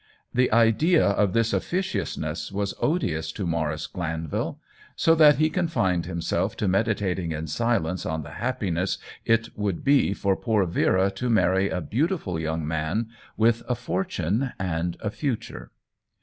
The idea of this officiousness was odious to Maurice Glanvil ; so that he confined himself to meditating in silence on the happiness it would be for poor Vera to marry a beautiful young man with a fortune and a future.